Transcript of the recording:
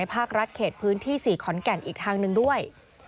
ภาครัฐเขตพื้นที่๔ขอนแก่นอีกทางหนึ่งด้วย